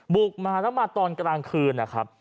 บุกมาแล้วมาตอนกลางคืนนะครับ